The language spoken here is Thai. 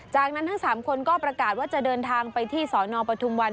จากนั้นทั้ง๓คนก็ประกาศว่าจะเดินทางไปที่สนปทุมวัน